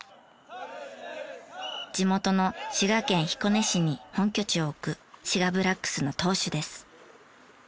地元の滋賀県彦根市に本拠地を置く滋賀ブラックスの投手です。